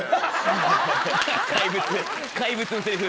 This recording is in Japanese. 怪物のセリフ。